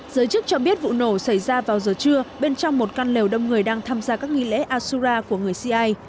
giới chức cho biết vụ nổ xảy ra vào giờ trưa bên trong một căn lều đông người đang tham gia các nghi lễ asura của người cia